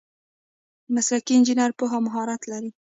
مسلکي انجینر پوهه او مهارت لري.